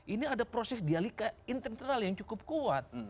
ini ada proses dialika internal yang cukup kuat